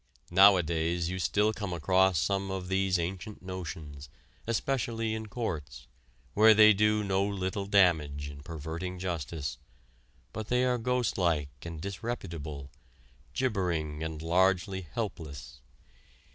Nowadays you still come across some of these ancient notions, especially in courts, where they do no little damage in perverting justice, but they are ghost like and disreputable, gibbering and largely helpless.